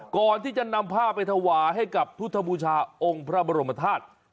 ก่อนที่จะนำผ้าไปถวายให้กับพุทธบูชาองค์พระบรมธาตุ